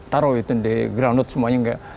taruh itu di grounded semuanya